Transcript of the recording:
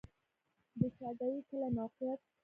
د چاګای کلی موقعیت